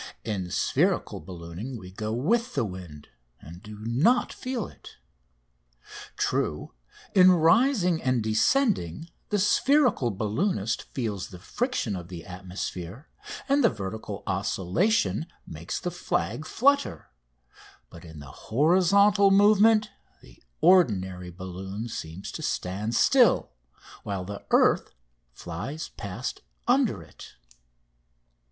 In spherical ballooning we go with the wind, and do not feel it. True, in rising and descending the spherical balloonist feels the friction of the atmosphere, and the vertical oscillation makes the flag flutter, but in the horizontal movement the ordinary balloon seems to stand still, while the earth flies past under it.